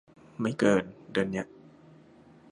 ไม่เกิน เดือนเนี้ย